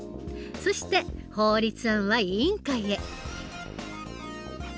そして法律案は委員会へ。